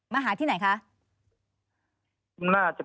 มาหาที่ไหนคะ